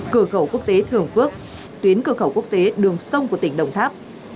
cửa khẩu quốc tế thường phước tuyến cửa khẩu quốc tế đường sông của tỉnh đồng tháp